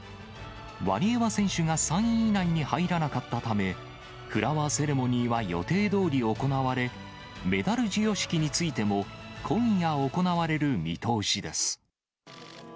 ワリエワ選手が３位以内に入らなかったため、フラワーセレモニーは予定どおり行われ、メダル授与式についても、今夜行われる見通しです。